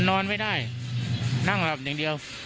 นอนไม่ได้นั่งหลับอย่างเดียว